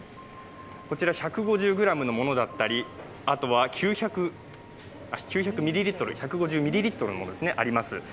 こちら１５０ｇのものだったりあとは９００ミリリットルのものあります。